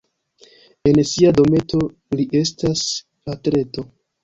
En sia dometo li estas atleto.